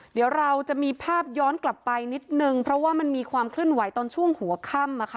เดี๋ยวเราจะมีภาพย้อนกลับไปนิดนึงเพราะว่ามันมีความเคลื่อนไหวตอนช่วงหัวค่ำอะค่ะ